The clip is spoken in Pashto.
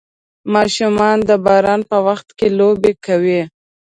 ماشومان د باران په وخت کې لوبې کوي.